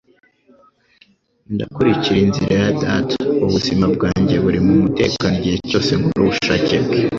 Ndakurikira inzira ya Data; ubuzima bwanjye buri mu mutekano igihe cyose nkora ubushake bwe.